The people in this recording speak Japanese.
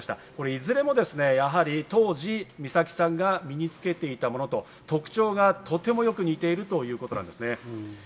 いずれも当時、美咲さんが身につけていたものと特徴がとてもよく似ているということなんですね。